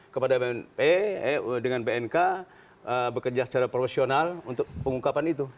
kepada bnp dengan bnk bekerja secara profesional untuk pengungkapan itu